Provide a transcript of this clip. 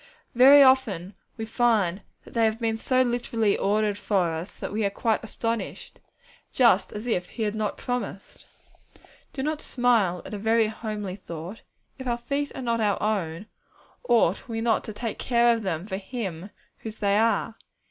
Very often we find that they have been so very literally ordered for us that we are quite astonished, just as if He had not promised! Do not smile at a very homely thought! If our feet are not our own, ought we not to take care of them for Him whose they are?